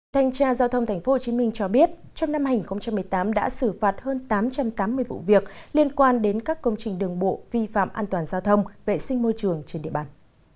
thanh tra giao thông tp hcm cho biết trong năm hai nghìn một mươi tám đã xử phạt hơn tám trăm tám mươi vụ việc liên quan đến các công trình đường bộ vi phạm an toàn giao thông vệ sinh môi trường trên địa bàn